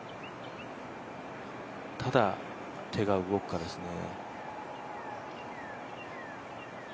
ただ、手が動くかですね。